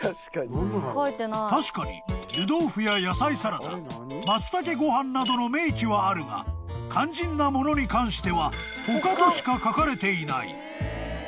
［確かに湯豆腐や野菜サラダマツタケごはんなどの明記はあるが肝心なものに関しては「ほか」としか書かれていない］